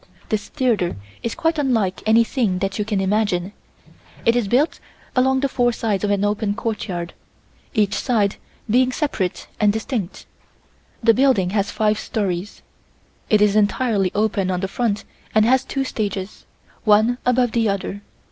This theatre is quite unlike anything that you can imagine. It is built around the four sides of an open courtyard, each side being separate and distinct. The building has five stories. It is entirely open on the front and has two stages, one above the other.